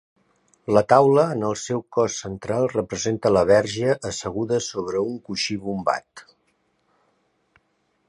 La taula, en el seu cos central, representa la Verge asseguda sobre un coixí bombat.